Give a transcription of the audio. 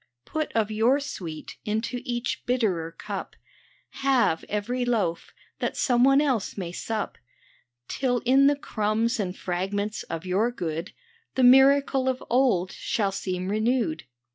ISO TOO LITTLE AND TOO MUCH Put of your sweet into each bitterer cup ; Halve every loaf, that some one else may sup, Till in the crumbs and fragments of your good The miracle of old shall seem renewed.